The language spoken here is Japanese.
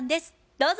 どうぞ。